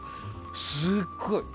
すっごい。